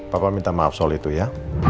papa minta maaf soal itu ya